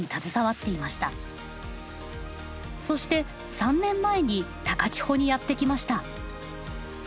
そして３年前に高千穂にやって来ました。